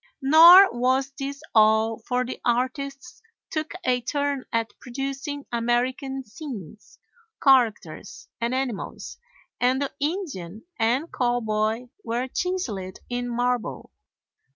] Nor was this all, for the artists took a turn at producing American scenes, characters, and animals, and the Indian and cowboy were chiseled in marble.